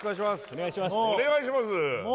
お願いします